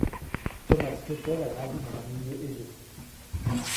Thomas Kettle a grandi dans un milieu aisé.